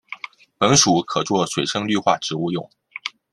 本属可做水生绿化植物用。